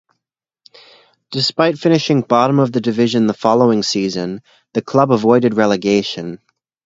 Despite finishing bottom of the division the following season, the club avoided relegation.